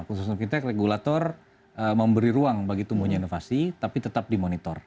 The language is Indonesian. khusus untuk kita regulator memberi ruang bagi tumbuhnya inovasi tapi tetap dimonitor